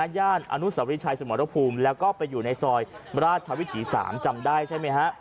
ย่านอสมรพุมแล้วก็ไปอยู่ในซอยราชวิติ๓จำได้ใช่ไหม